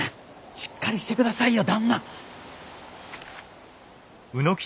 しっかりしてくださいよ旦那！